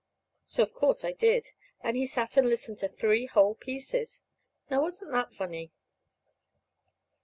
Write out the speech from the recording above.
So, of course, I did. And he sat and listened to three whole pieces. Now, wasn't that funny?